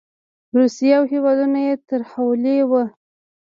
روسیه او هېوادونه یې ترهولي وو.